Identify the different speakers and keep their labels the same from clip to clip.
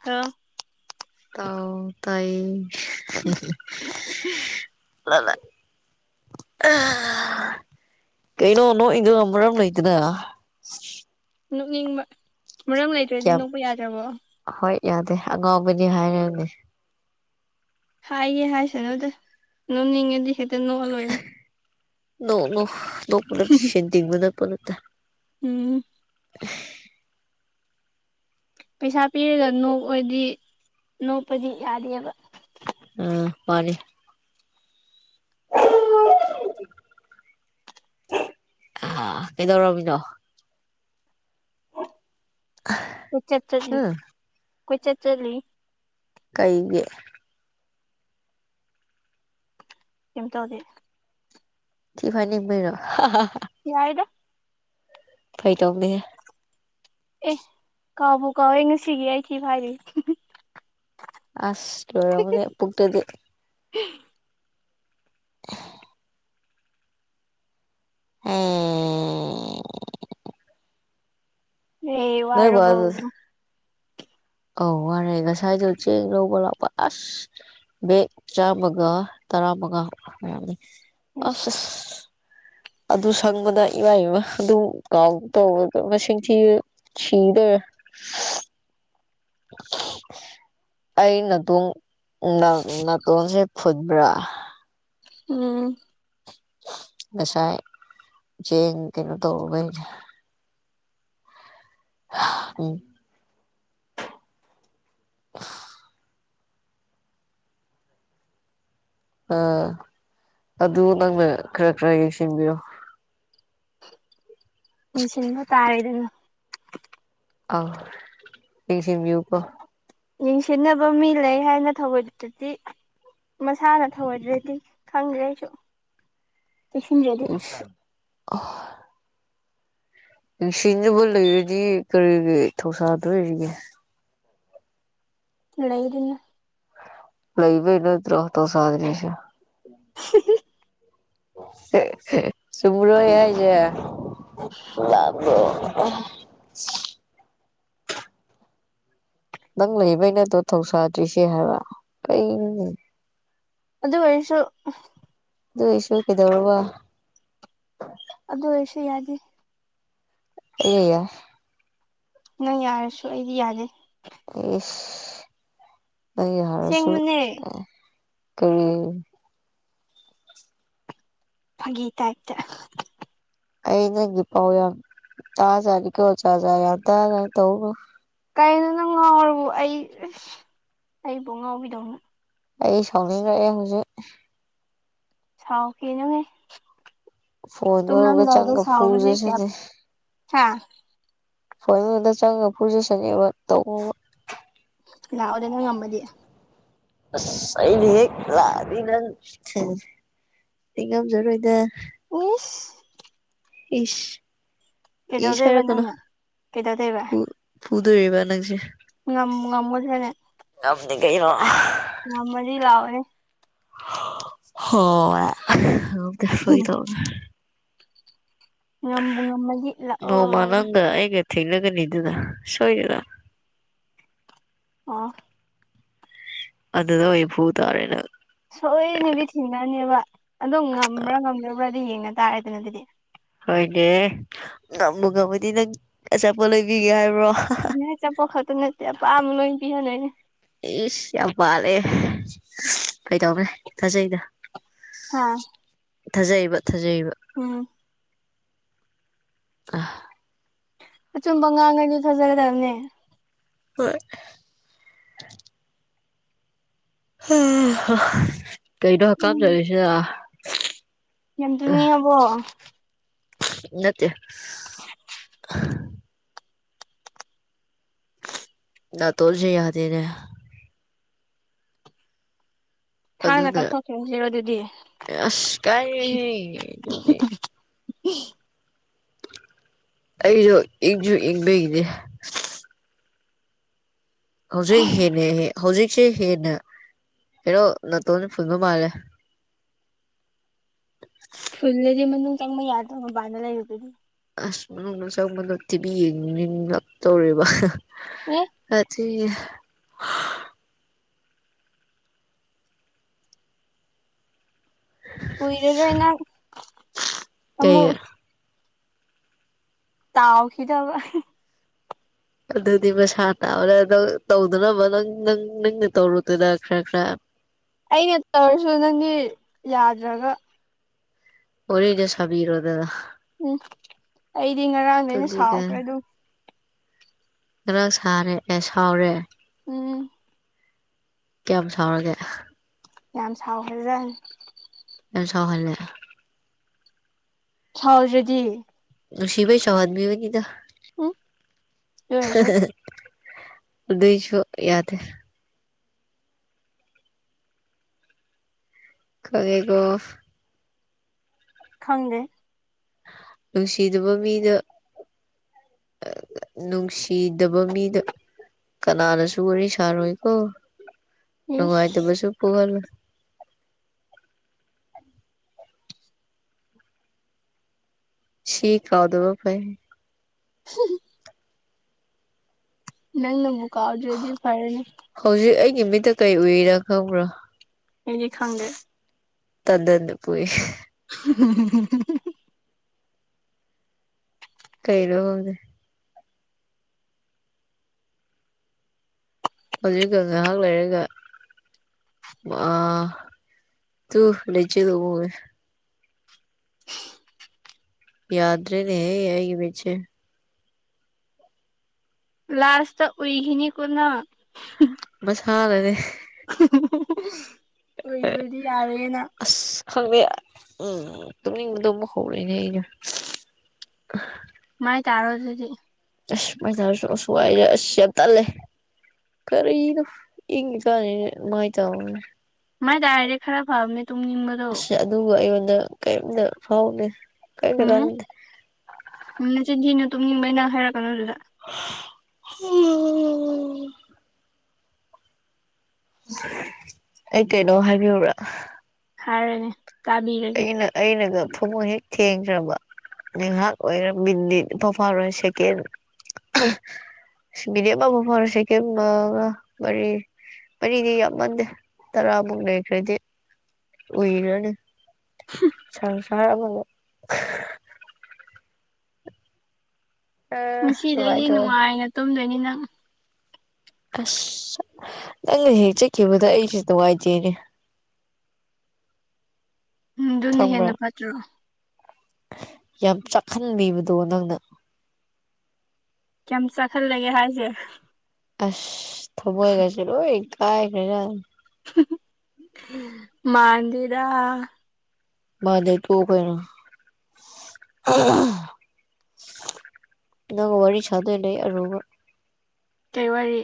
Speaker 1: Hello
Speaker 2: [unintelligible]
Speaker 1: [inaudible]
Speaker 2: ꯀꯩꯅꯣ ꯅꯣꯛ ꯏꯗꯣ ꯃꯔꯝ ꯂꯩꯇꯅ
Speaker 1: ꯅꯣꯛꯅꯤꯡꯕ ꯃꯔꯝ ꯂꯩꯇ꯭ꯔꯗꯤ
Speaker 2: ꯌꯥꯝ
Speaker 1: ꯅꯣꯛꯄ ꯌꯥꯗ꯭ꯕꯔꫭ
Speaker 2: ꯍꯣꯏ ꯌꯥꯗꯦ ꯑꯉꯥꯎꯕꯗꯤ ꯍꯥꯏꯔꯅꯤ
Speaker 1: ꯍꯥꯏꯒꯦ ꯍꯥꯏꯁꯅꯨꯗ ꯅꯣꯝꯅꯤꯡꯉꯗꯤ
Speaker 2: ꯅꯣꯛꯎꯨ ꯅꫭꯛꯎꯨ ꯅꫭꯛꯄꯗ ꯁ‌ꯦꯜ ꯇꯤꯡꯒꯗꯕ ꯄꫭꯠ ꯅꯠꯇ‌ꯦ
Speaker 1: ꯎꯝ
Speaker 2: ꯑ [unintelligible]
Speaker 1: ꯄꯩꯁꯥ ꯄꯤꯔꯒ ꯅꯣꯛꯑꯗꯤ ꯅꯣꯛꯄꯗꯤ ꯌꯥꯗꯦꯕ
Speaker 2: ꯎꯝ [unintelligible] ꯑꯥ ꯀꯩꯗꯧꯔꯝꯃꯤꯅꯣ
Speaker 1: ꯀꫭꯏꯆꯠ ꯆꯠꯂꯤ
Speaker 2: ꯍꯨꯝ
Speaker 1: ꯀꫭꯏꯆꯠ ꯆꯠꯂꯤ
Speaker 2: ꯀꯩꯒꯤ
Speaker 1: ꯀꯝ ꯇꯧꯗ‌ꯦ
Speaker 2: ꯊꯤꯐꯥꯏꯅꯤꯡꯕꯩꯔꫭ
Speaker 1: ꯌꯥꯏꯗ
Speaker 2: ꯐꯒꯤꯇꯧꯅꯤꯍ‌ꯦ
Speaker 1: ꯑꯦ ꯀꯥꯎꯕ ꯀꯥꯎꯋꯤ ꯉꯁꯤꯒꯤ ꯑꯩ ꯊꯤ ꯐꯥꯏꯗꯔꯤ
Speaker 2: ꯑꯁ ꯂꫭꯏꯔꯝꯃꯅꯤ ꯄꯨꯛꯇꯨꯗꯤ
Speaker 1: ꯎꯝ [unintelligible]
Speaker 2: ꯎꯝ [unintelligible]
Speaker 1: ꯍ‌ꯦ
Speaker 2: ꯅꯣꯏ ꯕꯥꯗꯣ
Speaker 1: ꯋꯔꯕꫭ
Speaker 2: ꯑꯧ ꯋꯔꯦ ꯉꯁꯥꯏꯗꯨ ꯆꯦꯡ ꯂꯧꯕ ꯂꯥꯛꯄ ꯑꯁ ꯕ‌ꯦꯛ ꯆꯥꯝꯃꯒ ꯇꯔꯥ ꯃꯪꯉꯥ
Speaker 1: ꯏꯁ
Speaker 2: ꯑꯁ ꯑꯗꯨ ꯁꯪꯕꯗ ꯏꯃ ꯏꯃ ꯑꯗꯨ ꯀꯥꯎꯕ ꯇꯧꯕꯗ ꯃꯁꯤꯡ ꯊꯤ [unintelligible] ꯁꯤꯤꯗ [unintelligible] ꯑꯩ ꯅꯥꯇꯣꯡ ꯅꯥꯇꯣꯟꯁꯦ ꯐꯨꯜꯕ꯭ꯔꯥ
Speaker 1: ꯎꯝ
Speaker 2: ꯉꯁꯥꯏ ꯆꯦꯡ ꯀꯩꯅꫭ ꯇꯧꯔꯨꯕꯩꯅ‌ꯦ ꯎꯝ ꯑꯥ ꯑꯗꯨ ꯅꯪꯅ ꯈꯔ ꯈꯔ ꯌꯦꯡꯁꯤꯟꯕꯤꯌꯣ
Speaker 1: ꯃ‌ꯦꯟꯁꯤꯟꯕ ꯇꯥꯔ‌ꯦꯗꯅ
Speaker 2: ꯑꯧ ꯌ‌ꯦꯡꯁꯤꯟꯕꯤꯌꯨꯀꫭ
Speaker 1: ꯌꯦꯡꯁꯤꯟꯅꯕ ꯃꯤ ꯂꯩ ꯍꯥꯏꯅ ꯊꯑꯣꯏꯗꯔꯗꯤ ꯃꯁꯥꯅ ꯊꯧꯑꯣꯗ꯭ꯔꯗꯤ ꯈꯪꯗꯔꯦ ꯑꯩꯁꯨ ꯆꯦꯛꯁꯤꯟꯗ꯭ꯔꯗꯤ
Speaker 2: [unintelligible] ꯌ‌ꯦꯡꯁꯤꯟꯗꯨꯕ ꯂꯩꯔꯗꯤ ꯀꯔꯤꯒꯤ ꯊꯧꯁꯥꯗꯣꯔꯤꯒꯦ
Speaker 1: ꯂꯩꯔꯤꯅ
Speaker 2: ꯂꯩꯕꯩ ꯅꯠꯇꯔꯣ ꯊꯧꯁꯗꯔ꯭ꯤꯁꯦ
Speaker 1: ꯍꯤ ꯍꯤ
Speaker 2: ꯆꯨꯝꯕꯔꯣ ꯑꯩꯅ ꯍꯥꯏꯁꯦ [unintelligible] ꯅꯪ ꯂꯩꯕꯩꯅꯠꯇꯔꯣ ꯊꯧꯁꯥꯗ꯭ꯔꯤꯁꯦ ꯍꯥꯏꯕ ꯀꯩ
Speaker 1: ꯑꯗꯨ ꯑꯣꯏꯔꯁꯨ
Speaker 2: ꯑꯗꯨꯏ ꯑꫭꯏꯁꯨ ꯀꯩꯗꯧꯔꯕ
Speaker 1: ꯑꯗꯨ ꯑꫭꯔꯁꯨ ꯌꯥꯗ‌ꯦ
Speaker 2: ꯑꯦ ꯌꯥ [unintelligible]
Speaker 1: ꯅꯪ ꯌꯥꯔꯁꯨ ꯑꯩꯗꯤ ꯌꯥꯗꯦ
Speaker 2: ꯏꯁ ꯅꯪ ꯌꯥꯔꯁꯨ
Speaker 1: ꯑꯁꯦꯡꯕꯅꯦ
Speaker 2: ꯀꯔꯤ
Speaker 1: ꯐꯒꯤ ꯇꯥꯏꯞꯇꯥ
Speaker 2: ꯑꯩ ꯅꯪꯒꯤ ꯄꯥꯎ ꯌꯥꯝ ꯇꯥꯖꯥꯅꯤ ꯀꯣ ꯖꯥꯠ ꯖꯥꯠ ꯌꯥꯝ ꯇꯥꯖꯅꯤ ꯇꯧꯕ
Speaker 1: ꯀꯩꯅꯣ ꯅꯪ ꯉꯥꯎꯔꯕꯣ ꯑꯩ ꯑꯩꯕꯨ ꯉꯥꯎꯕꯤꯗꯧꯅ
Speaker 2: ꯑꯩ ꯁꯥꯎꯅꯤꯡꯉꯛꯑꯦ ꯍꯧꯖꯤꯛ
Speaker 1: ꯁꯥꯎꯈꯤꯅꯨꯍꯦ
Speaker 2: ꯐꯣꯟ ꯃꯅꯨꯡꯗ
Speaker 1: ꯇꯨꯝꯂꯝꯗꯥꯏꯗ
Speaker 2: ꯆꯪꯉ
Speaker 1: ꯁꯥꯎꯕꯥꯁꯤ ꯀꯌꯥ
Speaker 2: ꯐꯨꯖꯁꯅꯤ
Speaker 1: ꯍꯥꯥ
Speaker 2: [unintelligible]
Speaker 1: ꯂꯥꯛꯑꯣꯗ ꯅ ꯉꯝꯃꯗꯤ
Speaker 2: ꯑꯁ ꯑꯩꯗꯤ ꯍꯦꯛ ꯂꯥꯛꯑꯗꯤ ꯅꯪ ꯑꯩ ꯉꯝꯖꯔꯣꯏꯗ
Speaker 1: ꯏꯁ
Speaker 2: ꯏꯁ ꯏꯁ
Speaker 1: ꯀꯩꯗꯧꯗꯣꯏꯕ
Speaker 2: ꯍꯥꯏꯔꯀꯅꯣ
Speaker 1: ꯅꯪꯅ ꯀꯩꯗꯧꯗꯣꯏꯕ
Speaker 2: ꯐꯨꯗꯧꯔꯤꯕꯥ ꯅꯡꯁꯦ
Speaker 1: ꯉꯝꯕꯨ ꯉꯝꯒꯗꯔꯥꯅꯦ
Speaker 2: ꯉꯝꯅꯤꯀꯩꯅꯣ
Speaker 1: ꯉꯝꯃꯗꯤ ꯂꯛꯑꯣꯅꯦ
Speaker 2: [unintelligible]
Speaker 1: ꯉꯝꯕꯨ ꯉꯝꯃꯗꯤ
Speaker 2: ꯅꯣꯡꯃ
Speaker 1: ꯂꯥꯛꯑꯣ
Speaker 2: ꯅꯪꯒ ꯑꯩꯒ ꯊꯦꯡꯅꯒꯅꯤꯗꯅ ꯁꯣꯏꯗꯅ
Speaker 1: ꯑꯣ
Speaker 2: ꯑꯗꯨꯗ ꯑꯣꯏꯅꯥ ꯐꯨ ꯇꯥꯔꯦ ꯅꯡ
Speaker 1: ꯁꯣꯏꯗꯅꯗꯤ ꯊꯦꯡꯅꯅꯦꯕ ꯑꯗꯨꯝ ꯉꯝꯕ꯭ꯔꯥ ꯉꯝꯗꯕ꯭ꯔꯥꯗꯤ ꯌꯦꯡꯅ ꯇꯥꯔꯦꯗꯅ ꯑꯗꯨꯗꯤ
Speaker 2: ꯍꯣꯏꯅꯦ ꯉꯝꯕꯨ ꯉꯝꯃꯗꯤ ꯅꯪ ꯑꯆꯥꯄꯣꯠ ꯂꯣꯏꯕꯤꯒꯦ ꯍꯥꯏꯕ꯭ꯔꯣ
Speaker 1: ꯅ ꯆꯄꯣꯠ ꯈꯛꯇꯥꯅꯠꯇꯦ ꯑꯄꯥꯝꯕꯥ ꯂꯣꯏ ꯄꯤꯍꯟꯗꯨꯏꯅꯤ
Speaker 2: ꯏꯁꯁ ꯌꯥꯝ ꯄꯥꯜꯂꯦ ꯀꯩꯗꯧꯈ꯭ꯔꯦ ꯊꯥꯖꯩꯗ
Speaker 1: ꯍꯥꯥ
Speaker 2: ꯊꯥꯖꯩꯕ ꯊꯥꯖꯩꯕ
Speaker 1: ꯎꯝ
Speaker 2: ꯑꯍꯥ
Speaker 1: ꯑꯆꯨꯝꯕ ꯉꯥꯡꯉꯥꯗꯤ ꯊꯖꯒꯗꯅꯕꯅꯤ
Speaker 2: ꯍꯣꯏ ꯍꯥ ꯀꯩꯅꯣ ꯍꯥꯀꯝ
Speaker 1: ꯎꯝ
Speaker 2: ꯆꯟꯂꯤꯁꯤꯅꯥ
Speaker 1: ꯌꯥꯝ ꯇꯨꯝꯅꯤꯉꯥꯕꯣ
Speaker 2: ꯅꯠꯇꯦ
Speaker 1: [unintelligible]
Speaker 2: ꯅꯥꯇꯣꯟꯁꯦ ꯌꯗꯦꯅꯦ
Speaker 1: ꯊꯥꯡꯅ
Speaker 2: ꯑꯗꯨꯅ
Speaker 1: ꯀꯛꯊꯣꯛꯈ꯭ꯔꯁꯤꯔꯣ ꯑꯗꯨꯗꯤ
Speaker 2: ꯑꯁ ꯀꯥꯏꯔꯦꯍꯦ ꯑꯗꯨꯗꯤ
Speaker 1: [unintelligible]
Speaker 2: ꯑꯩꯁꯨꯣ ꯏꯪꯁꯨ ꯏꯪꯕꯒꯤꯅꯦ ꯍꯧꯖꯤꯛ ꯍꯦꯟꯅ ꯍꯧꯖꯤꯛꯁꯦ ꯍꯦꯟꯅ ꯍꯩꯅꯣ ꯅꯇꯣꯟ ꯐꯨꯟꯕ ꯃꯥꯜꯂꯦ
Speaker 1: ꯐꯨꯜꯂꯗꯤ ꯃꯅꯨꯡ ꯆꯪꯕ ꯌꯥꯗ꯭ꯔꯕ ꯃꯕꯥꯅ ꯂꯩꯔꯨꯕꯗꯤ
Speaker 2: ꯑꯁ ꯃꯅꯨꯡ ꯆꯪꯕꯗ ꯇꯤꯚꯤ ꯌꯦꯡꯅꯤꯡ ꯂꯞ ꯇꯧꯔꯦꯕ
Speaker 1: ꯑꯣ
Speaker 2: ꯀꯆ
Speaker 1: ꯀꯨꯏꯔꯔꯣꯏ ꯅꯪ ꯑꯃꯨꯛ
Speaker 2: ꯀꯩ
Speaker 1: ꯇꯥꯎꯈꯤꯗꯕ
Speaker 2: ꯑꯗꯨꯗꯤ ꯃꯁꯥ ꯇꯥꯕꯗ ꯇꯧꯗꯅꯕ ꯅꯪ ꯅꯪ ꯅꯪꯅ ꯇꯧꯔꯨꯗꯗ ꯈꯔ ꯈꯔ
Speaker 1: ꯑꯩꯅ ꯇꯧꯔꯁꯨ ꯅꯪꯗꯤ ꯌꯥꯗ꯭ꯔꯒ
Speaker 2: [unintelligible] ꯁꯕꯤꯔꯣꯗꯅ
Speaker 1: ꯎꯝ ꯑꯩꯗꯤ ꯉꯔꯡꯗꯩꯅ ꯁꯥꯎꯈ꯭ꯔꯦ ꯑꯗꯨꯝ
Speaker 2: ꯈꯔ ꯁꯥꯔꯦ ꯑꯦ ꯁꯥꯎꯔꯦ
Speaker 1: ꯎꯝ
Speaker 2: ꯀꯌꯥꯝ ꯁꯥꯎꯔꯒꯦ
Speaker 1: ꯌꯥꯝ ꯁꯥꯎꯈꯦꯖꯩ
Speaker 2: ꯌꯥꯝ ꯁꯍꯜꯂꯦ
Speaker 1: ꯁꯥꯎ꯭ꯔꯗꯤ
Speaker 2: ꯉꯁꯤꯕꯩ ꯆ ꯑꯗꯃꯤꯕꯨꯅꯤꯗ
Speaker 1: ꯎꯝ ꯑꯗꯨ ꯑꯣꯏꯔꯁꯨ
Speaker 2: ꯑꯗꯨ ꯑꯗꯨꯁꯨ ꯌꯥꯗ ꯀꯔꯦꯒꯣ
Speaker 1: ꯈꯪꯗꯦ
Speaker 2: ꯅꯨꯡꯁꯤꯕ ꯃꯤꯗ ꯅꯨꯡꯁꯤꯗꯕ ꯃꯤꯗ ꯀꯅꯥꯅꯁꯨ ꯋꯥꯔꯤ ꯁꯥꯔꯣꯏꯀꯣ
Speaker 1: ꯏꯁ
Speaker 2: ꯅꯨꯡꯉꯥꯏꯇꯕꯁꯨ ꯄꯨꯍꯜꯂꯣꯏ ꯁꯤ ꯀꯥꯎꯗꯕꯣ ꯐꯥꯏ
Speaker 1: ꯅꯪ ꯅꯪ ꯕꯨꯀꯥꯎꯖꯦ ꯑꯗꯨ ꯐꯔꯦꯅꯦ
Speaker 2: ꯍꯧꯖꯤꯛ ꯑꯩꯒꯤ ꯃꯤꯠꯇ ꯀꯔꯤ ꯎꯏꯔꯥ ꯈꯪꯕ꯭ꯔꯣ
Speaker 1: ꯑꯦ ꯈꯪꯗꯦ
Speaker 2: ꯇꯟꯅ ꯇꯟꯅꯄꯣꯏ
Speaker 1: [inaudible]
Speaker 2: ꯀꯩꯩꯅ ꯍꯦ ꯍꯧꯖꯤꯛꯒ ꯉꯥꯏꯍꯥꯛ ꯂꯩꯔꯒ ꯋꯥ ꯇꯨ ꯂꯤꯆꯦꯗ ꯌꯥꯗ꯭ꯔꯦꯅꯦ ꯍ ꯍꯥꯏꯒꯤ ꯃ
Speaker 1: ꯂꯥꯁꯇ ꯎꯏꯈꯤꯅꯤ ꯀꯅ
Speaker 2: ꯃꯁꯥꯂꯅꯦ
Speaker 1: ꯑꯣꯏꯕꯗꯤ ꯌꯥꯔꯦꯅ
Speaker 2: ꯑꯁ ꯈꯪꯗꯦ ꯎꯝ ꯇꯨꯝꯅꯤꯡꯕꯗꯕ ꯍꯧꯔꯛꯏꯅꯦ ꯑꯩꯅ
Speaker 1: ꯃꯥꯏ ꯇꯥꯔꯣ ꯑꯗꯨꯗꯤ
Speaker 2: ꯑꯁ ꯃꯖꯥꯁꯨ ꯁꯋꯥꯏꯁ ꯌꯥ ꯇꯂꯦ ꯈꯔꯗ ꯏ ꯆꯦ ꯃꯥꯥꯏ ꯆ
Speaker 1: ꯃꯥꯏ ꯇꯗꯥꯏꯔꯦ ꯈꯔ ꯐꯥꯕꯅꯦ ꯇꯨꯡꯕꯗ
Speaker 2: ꯑꯁ ꯑꯗꯨꯒ ꯑꯩꯉꯣꯟꯗ ꯀꯔꯤꯝꯇ ꯐꯥꯎꯗꯦ ꯀꯔꯤꯝꯇ ꯀꯥꯟꯅꯗꯦ
Speaker 1: ꯎꯝ ꯆꯤꯟꯊꯤꯅꯨ ꯇꯨꯝꯅꯤꯡꯕꯩꯅꯪ ꯍꯥꯏꯔꯛꯀꯅꯨꯗꯨꯗ
Speaker 2: ꯎꯝ ꯑꯩ ꯀꯩꯅꯣ ꯍꯥꯏꯕꯤꯕ꯭ꯔꯥ
Speaker 1: ꯍꯔꯅꯦ ꯀꯥꯕꯤꯔꯦ
Speaker 2: ꯑꯩꯅ ꯑꯩꯅꯒ ꯊꯃꯣꯏ ꯍꯦꯛ ꯊꯦꯡꯈ꯭ꯔꯕ ꯉꯍꯥꯛ ꯑꯣꯏꯔꯕꯤꯗꯤꯠ ꯄꯐꯥꯔꯣꯏ ꯁꯦꯀꯦꯟ ꯃꯤꯗꯤꯝꯃ ꯐꯔꯁꯦ ꯀ ꯃꯔꯤ ꯃꯔꯤꯗꯤ ꯌꯥꯝꯃꯟꯗꯦ ꯇꯔꯥꯃꯨꯛ ꯂꯩꯈ꯭ꯔꯗꯤ ꯑꯣꯏꯏꯔꯅꯤ ꯁ ꯁꯔ ꯑ
Speaker 1: ꯉꯁꯤꯗꯒꯤꯩꯗꯤ
Speaker 2: ꯅꯨꯡꯉꯥꯏꯇꯕ
Speaker 1: ꯅꯨꯡꯉꯥꯏꯅ ꯇꯨꯝꯗꯣꯏꯅꯤ ꯅꯪ
Speaker 2: ꯑꯁ ꯅꯪꯅ ꯍꯦꯛ ꯆꯠꯈꯤꯕꯗ ꯑꯩꯁꯨꯇꯋꯥꯏꯗꯦꯅꯦ
Speaker 1: ꯎ ꯑꯗꯨꯅ
Speaker 2: ꯈꯪꯕ꯭ꯔꯥ
Speaker 1: ꯍꯦꯟꯅ ꯐꯠꯇ꯭ꯔꯣ
Speaker 2: ꯌꯥꯝ ꯆꯥꯛꯍꯟꯕꯤꯕꯗꯣ ꯅꯪꯅ
Speaker 1: ꯀꯩ ꯆꯥꯛꯈꯜꯂꯒꯦ ꯍꯥꯏꯁꯦ
Speaker 2: ꯑꯁ ꯊꯃꯣꯏꯒꯁꯨꯦ ꯂꯣꯏ ꯀꯥꯏꯈ꯭ꯔꯦꯖ
Speaker 1: ꯃꯥꯡꯖꯤꯗꯥ
Speaker 2: ꯃꯥꯗ ꯇꯨ ꯀꯩꯅ ꯅꯪ ꯋꯥꯔꯤ ꯁꯥꯗꯣꯏ ꯂꯩ ꯑꯔꯨꯕ
Speaker 1: ꯀꯩꯋꯥꯔꯤ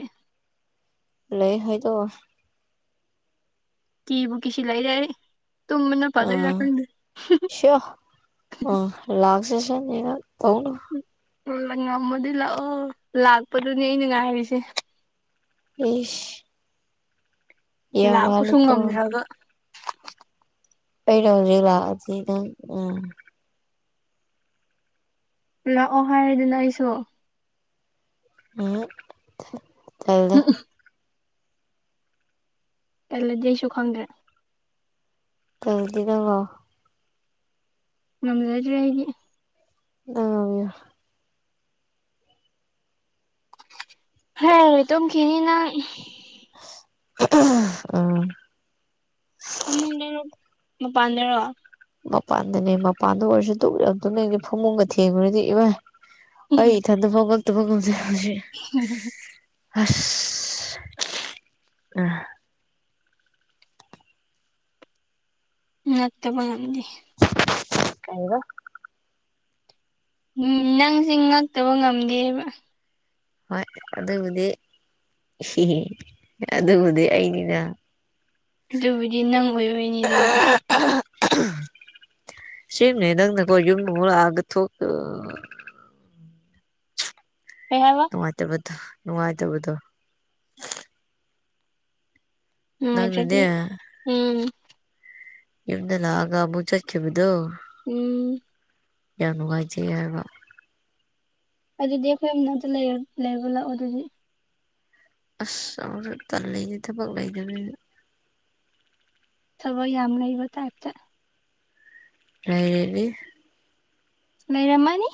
Speaker 2: ꯂꯩ ꯍꯣꯏꯗꯣ
Speaker 1: ꯀꯤꯕꯨ ꯀꯤꯁꯤ ꯂꯩꯔꯦ ꯇꯨꯝꯕꯅ ꯐꯗꯣꯏꯔꯥ ꯈꯪꯗꯦ
Speaker 2: ꯁꯦ ꯑꯣ ꯂꯥꯛ ꯁꯦꯁꯟ ꯌꯦ ꯇꯧꯅ
Speaker 1: ꯉꯝꯃꯗꯤ ꯂꯥꯛꯑꯣ ꯂꯥꯛꯄꯗꯨꯅꯦ ꯑꯩꯅ ꯉꯥꯏꯔꯤꯁꯦ
Speaker 2: ꯎ
Speaker 1: ꯂꯥꯛ ꯀ ꯁꯨꯡ
Speaker 2: ꯋꯥꯠꯂꯤꯀꯣ
Speaker 1: ꯉꯝꯗ꯭ꯔꯣꯒꯣ
Speaker 2: ꯑꯩꯩ ꯍꯧꯖꯤ ꯂꯥꯛꯖꯤ ꯎ
Speaker 1: ꯂꯥꯛꯑꯣ ꯍꯥꯏꯔꯦꯗꯅ ꯑꯩꯁꯨ
Speaker 2: ꯎꯝ ꯇꯦ
Speaker 1: ꯀꯜꯂꯗꯤꯁꯨ ꯈꯪꯗ꯭ꯔꯦ
Speaker 2: ꯀꯩꯗꯤꯗꯉꯣ
Speaker 1: ꯅꯝꯖꯗ꯭ꯔꯦ ꯍꯒꯤ
Speaker 2: ꯑ
Speaker 1: ꯍꯦ ꯍꯇꯝ ꯀꯅꯤꯅ
Speaker 2: ꯎꯝ
Speaker 1: ꯐꯃꯨꯡꯗꯨ ꯃꯄꯥꯟꯗꯔꯣ
Speaker 2: ꯃꯄꯥꯟꯗꯅꯦ ꯃꯄꯥꯟꯗ ꯑꯣꯏꯔꯁꯨ ꯇ ꯇꯅꯗꯤ ꯐꯃꯨꯡꯒ ꯊꯦꯡꯈꯨꯔꯗꯤ ꯏꯚꯥꯏ ꯑ ꯏꯊꯟꯗ ꯐꯒꯜꯊ ꯐꯒꯁꯤꯦ
Speaker 1: ꯎꯝ
Speaker 2: ꯑꯁ ꯑ
Speaker 1: ꯉꯠꯇꯕ ꯉꯝꯗꯦ
Speaker 2: ꯀꯕ꯫
Speaker 1: ꯅꯪꯁ ꯉꯛꯇꯕ ꯉꯝꯗꯦꯕ
Speaker 2: ꯍ ꯑꯗꯨꯗꯕꯨꯗꯤ ꯑꯗꯨꯕꯨꯗꯤ ꯑꯩꯅꯤꯗ
Speaker 1: ꯑꯗꯨꯕꯨꯗꯤ ꯅꯪ ꯑꯣꯏꯔꯣꯏꯅꯤꯗꯅ
Speaker 2: ꯁꯤꯅꯦ ꯅꯪ ꯅ ꯀ ꯌ ꯃꯒ ꯊꯣꯛ
Speaker 1: ꯀꯕ
Speaker 2: ꯅꯨꯡꯉꯥꯏꯇꯕꯗꯣ ꯅꯨꯡꯉꯥꯏꯇꯕꯗꯣ
Speaker 1: ꯎꯝ
Speaker 2: ꯅꯪꯅꯅꯦ
Speaker 1: ꯑꯗꯨ꯭ꯔꯗꯤ ꯎꯝ
Speaker 2: ꯏꯕꯗꯂ ꯑꯒ ꯃꯕꯨꯆ ꯆꯦꯕꯗꯨꯣ
Speaker 1: ꯎꯝ
Speaker 2: ꯌꯥꯝ ꯅꯨꯡꯉꯥꯏꯖꯩ ꯍꯥꯏꯕ
Speaker 1: ꯑꯗꯨꯗꯤ ꯑꯩꯈꯣꯏ ꯑꯝ ꯑꯝ ꯂꯩꯕ ꯂꯥꯛꯑꯣ ꯑꯗꯨꯗꯤ
Speaker 2: ꯑꯁ ꯑꯁꯨ ꯇꯟ ꯂꯩꯅꯦ ꯊꯕꯛ ꯂꯩꯗꯅꯤꯅ
Speaker 1: ꯁꯕꯣꯏ ꯌꯥꯝꯅꯕ ꯇ
Speaker 2: [unintelligible]
Speaker 1: ꯅꯩꯔꯝꯃꯅꯤ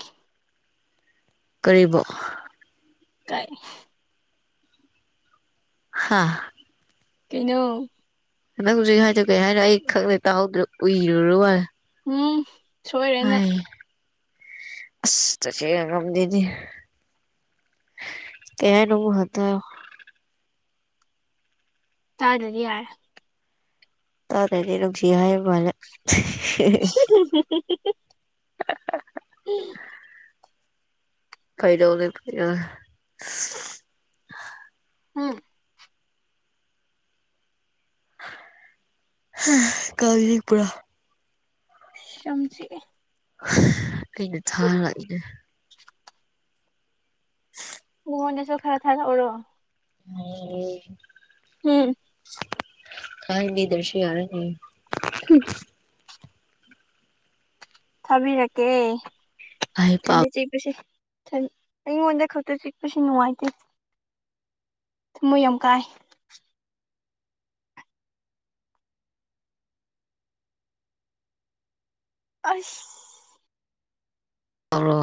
Speaker 2: ꯀꯔꯤꯕ
Speaker 1: [inaudible]
Speaker 2: ꯍꯥꯥ
Speaker 1: ꯀꯩꯅꯣ
Speaker 2: ꯅꯪ ꯍꯧꯖꯤꯛ ꯍꯥꯏꯗ ꯀꯩ ꯍꯥꯏꯅꯣ ꯑꯩ ꯈꯪꯗ꯭ꯔꯦ ꯇꯥꯍꯧꯗ꯭ꯔꯦ ꯎꯏꯔꯨꯔ ꯃꯥꯜꯂꯦ
Speaker 1: ꯎꯝ ꯁꯣꯏꯔꯦ ꯅꯪ
Speaker 2: ꯍꯥꯏ ꯑꯁ ꯇꯁꯦꯝꯗꯗꯤ ꯀꯌꯥꯅ ꯇ꯫
Speaker 1: ꯇꯥꯖꯗꯤ ꯌꯥꯔ
Speaker 2: ꯇꯥꯔ꯭ꯔꯗꯤ ꯅꯨꯡꯁꯤ ꯍꯥꯏ ꯃꯥꯜꯂ
Speaker 1: ꯎꯝ ꯍꯝꯦ [unintelligible]
Speaker 2: [unintelligible]
Speaker 1: ꯍꯝ
Speaker 2: ꯍꯦ ꯀꯔꯤꯄꯨꯔꯥ
Speaker 1: ꯌꯥꯝ ꯆꯤꯛꯑꯦ
Speaker 2: ꯑꯩꯅ ꯊꯥꯔꯛꯏꯅꯦ [unintelligible]
Speaker 1: ꯐꯣꯟꯗꯁꯨ ꯈꯔ ꯊꯥꯔꯛꯎꯔꯣ꯫
Speaker 2: [unintelligible]
Speaker 1: ꯎꯝ
Speaker 2: [unintelligible] ꯌꯥꯔꯦꯅꯦ꯫
Speaker 1: ꯎꯝ ꯊꯥꯕꯤꯔꯛꯀꯦ
Speaker 2: ꯑꯩ ꯄꯥꯎ
Speaker 1: ꯈꯟꯗꯦ ꯆꯦꯕꯁꯤ ꯍꯟ ꯑꯩꯉꯣꯟꯗ ꯈꯛꯇ ꯆꯤꯛꯄꯁꯤ ꯅꯨꯡꯉꯥꯏꯇꯦ꯫ ꯊꯃꯣꯏ ꯌꯥꯝ ꯀꯥꯏ꯫ ꯑꯁ
Speaker 2: ꯇꯔꯣ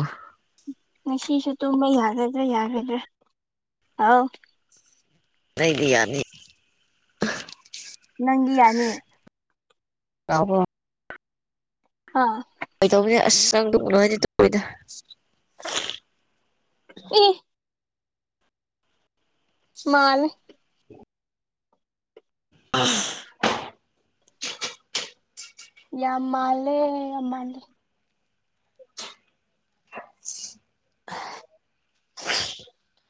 Speaker 1: ꯉꯁꯤꯁꯨ ꯇꯨꯝꯕ ꯌꯥꯒꯗ꯭ꯔꯥ ꯌꯥꯒꯗ꯭ꯔꯥ ꯑꯥꯎ
Speaker 2: ꯑꯩꯗꯤ ꯌꯥꯅꯤ
Speaker 1: ꯅꯪꯗꯤ ꯌꯥꯅꯤ
Speaker 2: [unintelligible]
Speaker 1: ꯍꯥꯥ
Speaker 2: ꯀꯩꯗꯧꯕꯅꯦ ꯑꯁ ꯅꯪ ꯇꯨꯝꯒꯅꯣ ꯍꯥꯏꯗꯤ ꯇꯨꯝꯔꯣꯏꯗ
Speaker 1: ꯏ ꯃꯥꯂꯦ
Speaker 2: ꯑ [unintelligible] [inaudible]
Speaker 1: ꯌꯥꯝ ꯃꯥꯜꯂꯦ ꯌꯥꯝ ꯃꯥꯜꯂꯦ
Speaker 2: [unintelligible]